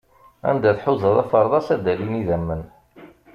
Anda tḥuzaḍ afeṛḍas, ad d-alin idammen.